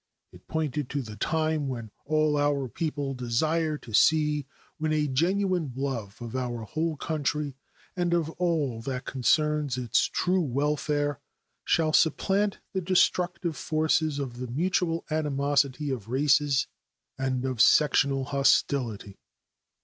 It pointed to the time, which all our people desire to see, when a genuine love of our whole country and of all that concerns its true welfare shall supplant the destructive forces of the mutual animosity of races and of sectional hostility.